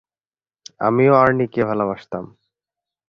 আমিও আর্নিকে ভালোবাসতাম।